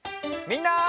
みんな！